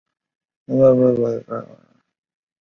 鼓膜与眼睛的直径相若。